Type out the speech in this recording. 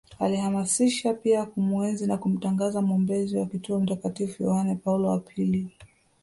Alihamasisha pia kumuenzi na kumtangaza mwombezi wa kituo Mtakatifu Yahane Paulo wa pili